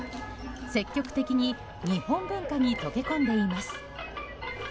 積極的に日本文化に溶け込んでいます。